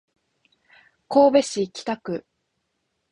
神戸市北区